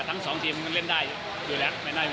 ฉะนั้นก็อยากเชิญชวนให้แฟนบอลเจ้าไทยเชื่อเป็นรังใจให้ด้วยแล้วกัน